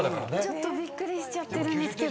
ちょっとびっくりしちゃってるんですけど。